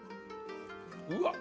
うわっ！